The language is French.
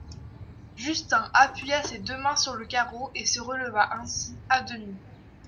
Justin appuya ses deux mains sur le carreau et se releva ainsi à demi.